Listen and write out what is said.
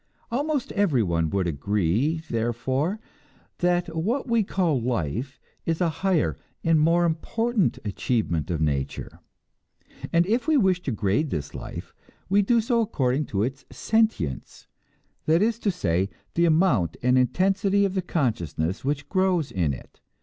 Almost everyone would agree, therefore, that what we call "life" is a higher and more important achievement of nature. And if we wish to grade this life, we do so according to its sentience that is to say, the amount and intensity of the consciousness which grows in it.